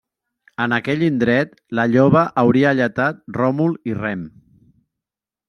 En aquell indret la lloba hauria alletat Ròmul i Rem.